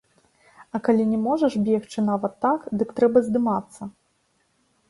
А калі не можаш бегчы нават так, дык трэба здымацца.